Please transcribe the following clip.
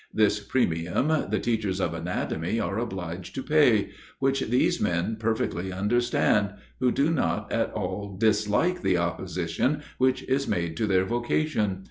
This premium the teachers of anatomy are obliged to pay, which these men perfectly understand, who do not at all dislike the opposition which is made to their vocation.